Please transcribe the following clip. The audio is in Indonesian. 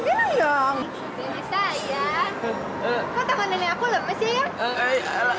sayang kan tangan nenek aku lemes sayang